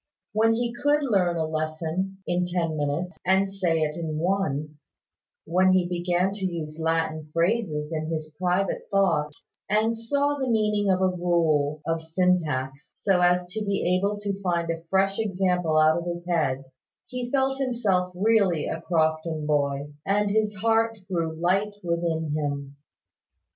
When he could learn a lesson in ten minutes, and say it in one; when he began to use Latin phrases in his private thoughts, and saw the meaning of a rule of syntax, so as to be able to find a fresh example out of his own head, he felt himself really a Crofton boy, and his heart grew light within him.